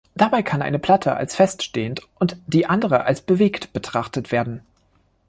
Dabei kann eine Platte als feststehend und die andere als bewegt betrachtet werden.